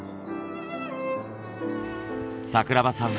桜庭さん